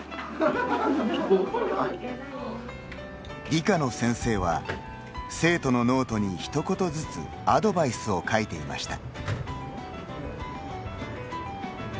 理科の先生は生徒のノートにひと言ずつアドバイスを書いていました。